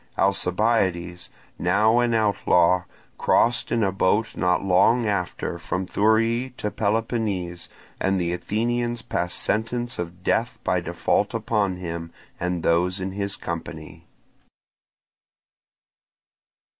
Alcibiades, now an outlaw, crossed in a boat not long after from Thurii to Peloponnese; and the Athenians passed sentence of death by default upon him and those in his company.